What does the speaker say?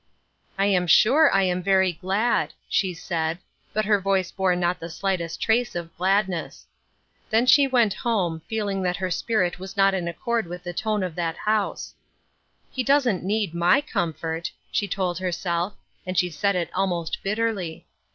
*' I am sure I am very glad," she said, but her voice bore not the slightest trace of gladness. Then she went home, feeling that her spirit was not in accord with the tone of that house. " He doesn't need my comfort," she told herself, and she said it almost bitterly.